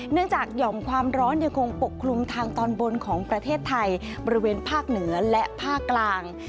จากหย่อมความร้อนยังคงปกคลุมทางตอนบนของประเทศไทยบริเวณภาคเหนือและภาคกลาง